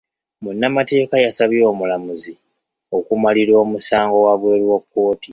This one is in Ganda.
Munnamateeka yasabye omulamuzi okumalira omusango wabweru wa kkooti.